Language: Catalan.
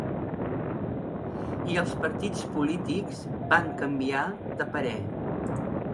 I els partits polítics van canviar de parer.